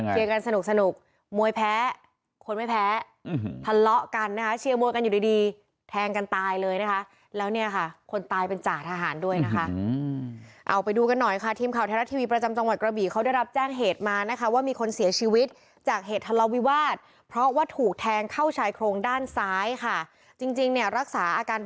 กันสนุกสนุกมวยแพ้คนไม่แพ้ทะเลาะกันนะคะเชียร์มวยกันอยู่ดีดีแทงกันตายเลยนะคะแล้วเนี่ยค่ะคนตายเป็นจ่าทหารด้วยนะคะเอาไปดูกันหน่อยค่ะทีมข่าวไทยรัฐทีวีประจำจังหวัดกระบี่เขาได้รับแจ้งเหตุมานะคะว่ามีคนเสียชีวิตจากเหตุทะเลาวิวาสเพราะว่าถูกแทงเข้าชายโครงด้านซ้ายค่ะจริงจริงเนี่ยรักษาอาการ